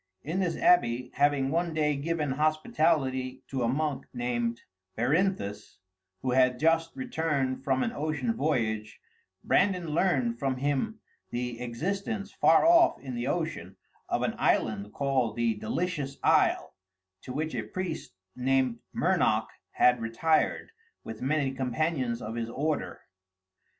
In this abbey, having one day given hospitality to a monk named Berinthus, who had just returned from an ocean voyage, Brandan learned from him the existence, far off in the ocean, of an island called The Delicious Isle, to which a priest named Mernoc had retired, with many companions of his order.